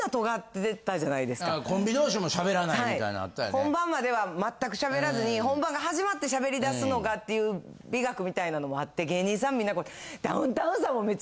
本番までは全く喋らずに本番が始まって喋りだすのがっていう美学みたいなのもあって芸人さんみんな。